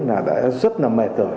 là đã rất là mệt